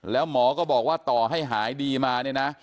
แล้วหมอก็บอกว่าต่อให้หายดีมาเนี่ยนะ